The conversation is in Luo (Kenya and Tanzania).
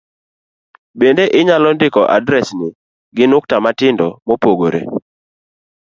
Bende inyalo ndiko adresni gi nukta matindo mopogore